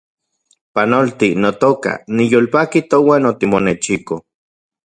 Panolti, notoka , niyolpaki touan otimonechiko